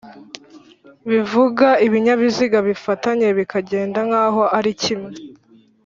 bivuga ibinyabiziga bifatanye bikagenda nk'aho ari kimwe